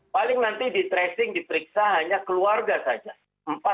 paling nanti di tracing diperiksa hanya keluarga saja